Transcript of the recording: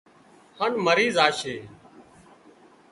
هانَ مرِي زاشي